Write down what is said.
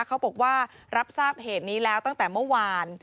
เขาบอกว่ารับทราบเหตุนี้แล้วตั้งแต่เมื่อวาน